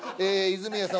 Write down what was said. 泉谷さん